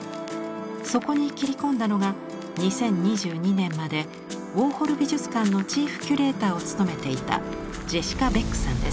そこに切り込んだのが２０２２年までウォーホル美術館のチーフキュレーターを務めていたジェシカ・ベックさんです。